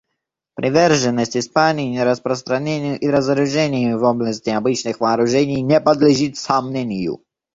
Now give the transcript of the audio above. Приверженность Испании нераспространению и разоружению в области обычных вооружений не подлежит сомнению.